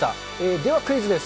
ではクイズです。